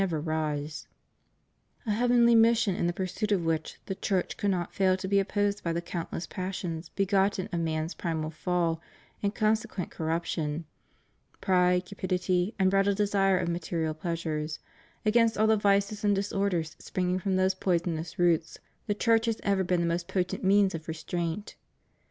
557 never rise — a heavenly mission in the pursuit of which the Church could not fail to be opposed by the countless passions begotten of man's primal fall and consequent corruption — pride, cupidity, imbridled desire of material pleasures; against all the vices and disorders springing from those poisonous roots the Church has ever been the most potent means of restraint.